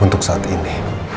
untuk saat ini